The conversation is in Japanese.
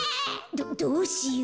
どどうしよう。